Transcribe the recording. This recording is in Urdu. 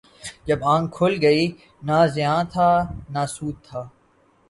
جب آنکھ کھل گئی، نہ زیاں تھا نہ سود تھا